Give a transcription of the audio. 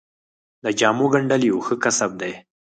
د جامو ګنډل یو ښه کسب دی